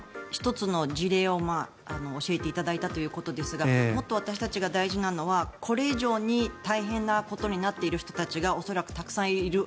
１つの事例を教えていただいたということですがもっと私たちが大事なのはこれ以上に大変なことになっている人たちが恐らくたくさんいる。